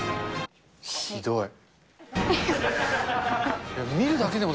ひどい。